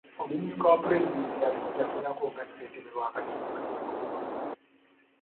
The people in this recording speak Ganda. Omumyuka wa pulezidenti aliko yakolako nga ssentebe w'akakiiko k'ebyokulonda.